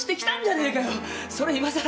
それ今さら。